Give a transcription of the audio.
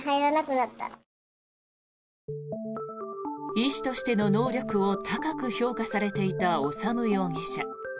医師としての能力を高く評価されていた修容疑者。